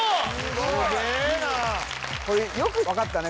・すげえなこれよく分かったね